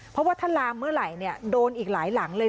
เพราะว่าถ้าลามเมื่อไหร่เนี่ยโดนอีกหลายหลังเลย